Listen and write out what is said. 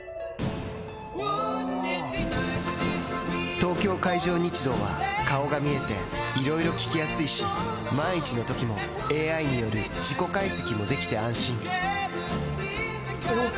東京海上日動は顔が見えていろいろ聞きやすいし万一のときもＡＩによる事故解析もできて安心おぉ！